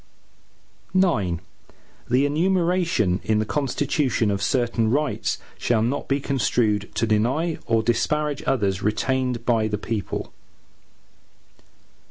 IX The enumeration in the Constitution, of certain rights, shall not be construed to deny or disparage others retained by the people.